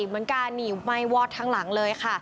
เหมือนการหนีไหม้วอดทั้งหลังเลย